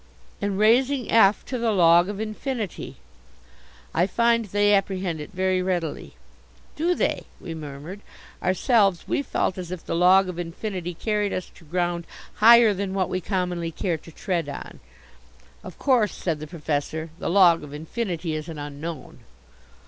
"And raising F to the log of infinity. I find they apprehend it very readily." "Do they?" we murmured. Ourselves we felt as if the Log of Infinity carried us to ground higher than what we commonly care to tread on. "Of course," said the Professor, "the Log of Infinity is an Unknown."